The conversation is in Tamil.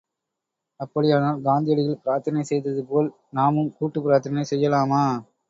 அப்படியானால் காந்தியடிகள் பிரார்த்தனை செய்தது போல் நாமும் கூட்டுப் பிரார்த்தனை செய்யலாமா?